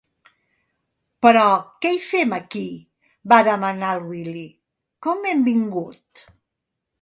Però què hi fem, aquí? —va demanar el Willy— Com hem vingut?